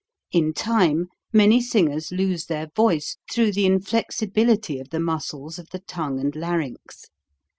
In time many singers lose their voice through the inflexibility of the muscles of the tongue and larynx.